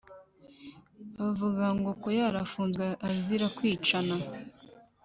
bavuga ngo koyari afunzwe azira kwicana